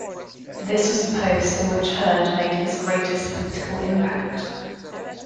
This was the post in which Hurd made his greatest political impact.